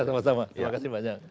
sama sama terima kasih banyak